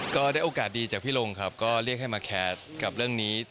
ก็ได้โอกาสดีจากพี่ลงครับก็เรียกให้มาแคสกับเรื่องนี้